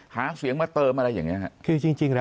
หาเสียงมาเติมอะไรอย่างเงี้ย